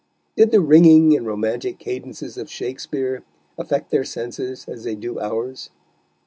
Did the ringing and romantic cadences of Shakespeare affect their senses as they do ours?